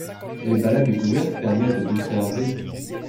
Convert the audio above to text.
les balades découvertes permettent d’observer